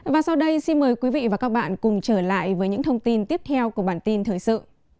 và sau đây xin mời quý vị và các bạn cùng trở lại với những thông tin tiếp theo của bản tin thời sự